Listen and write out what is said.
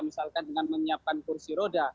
misalkan dengan menyiapkan kursi roda